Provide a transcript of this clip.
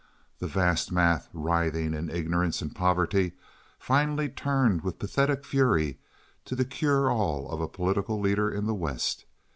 The vast mass, writhing in ignorance and poverty, finally turned with pathetic fury to the cure all of a political leader in the West.